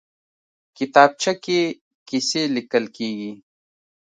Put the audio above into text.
کتابچه کې قصې لیکل کېږي